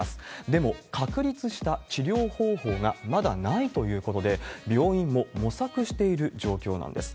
でも、確立した治療方法がまだないということで、病院も模索している状況なんです。